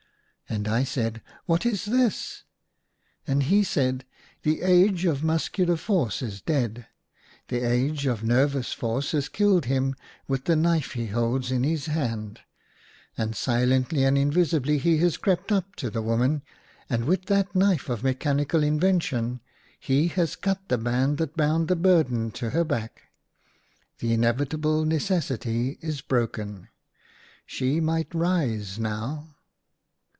And I said, " What is this ?" And he said, " The Age of muscular force is dead. The Age of nervous force has killed him with the knife he 72 THREE DREAMS IN A DESERT. holds in his hand ; and silently and invisibly he has crept up to the woman, and with that knife of Mechanical Invention he has cut the band that bound the burden to her back. The Inevitable Necessity is broken. She might rise now."